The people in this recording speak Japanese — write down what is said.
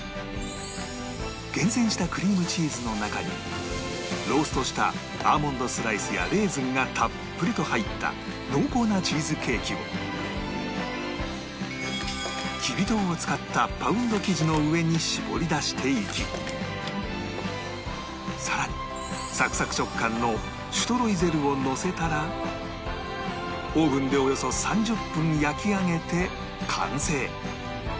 厳選したクリームチーズの中にローストしたアーモンドスライスやレーズンがたっぷりと入った濃厚なチーズケーキをの上に絞り出していきさらにサクサク食感のシュトロイゼルをのせたらオーブンでおよそ３０分焼き上げて完成